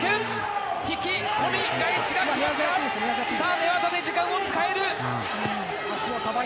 寝技で時間を使える。